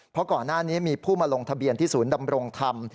เพราะก่อนหน้านี้มีผู้มาลงทะเบียนที่ศูนย์ดำรงธรรม